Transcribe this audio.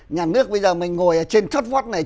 nhà nước bây giờ mình ngồi trên trót vót này